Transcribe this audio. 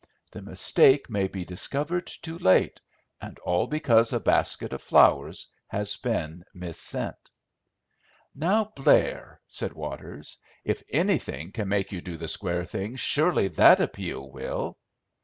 The mistake may be discovered too late, and all because a basket of flowers has been missent." "Now, Blair," said Waters, "if anything can make you do the square thing surely that appeal will."